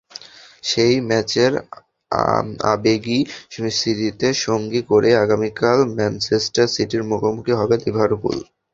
সেই ম্যাচের আবেগি স্মৃতিকে সঙ্গী করেই আগামীকাল ম্যানচেস্টার সিটির মুখোমুখি হবে লিভারপুল।